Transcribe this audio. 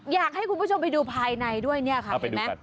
อยากให้คุณผู้ชมไปดูภายในด้วยเนี่ยค่ะเห็นไหม